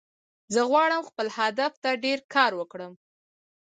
زه غواړم خپل هدف ته ډیر کار وکړم